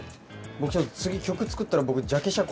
僕次曲作ったら。